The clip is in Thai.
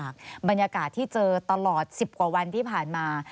ทั้งความแยกลำบากบรรยากาศที่เจอตลอด๑๐กว่าวันที่ผ่านมา